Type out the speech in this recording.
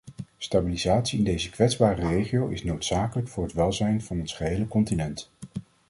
Stabilisatie in deze kwetsbare regio is noodzakelijk voor het welzijn van ons gehele continent.